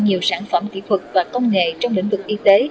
nhiều sản phẩm kỹ thuật và công nghệ